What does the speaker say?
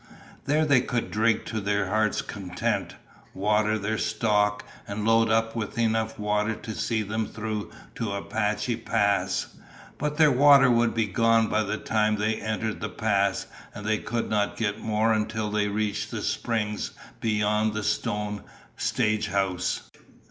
There they could drink to their heart's content, water their stock, and load up with enough water to see them through to Apache Pass. But their water would be gone by the time they entered the pass, and they could not get more until they reached the springs beyond the stone stagehouse.